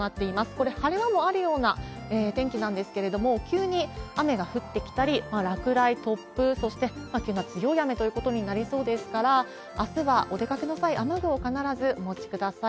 これ、晴れ間もあるような天気なんですけれども、急に雨が降ってきたり、落雷、突風、そして秋の強い雨ということになりそうですから、あすはお出かけの際、雨具を必ずお持ちください。